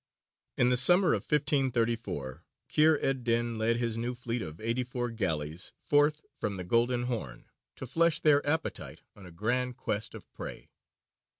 In the summer of 1534 Kheyr ed dīn led his new fleet of eighty four galleys forth from the Golden Horn, to flesh their appetite on a grand quest of prey.